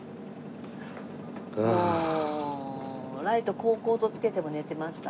ライトこうこうとつけても寝てました。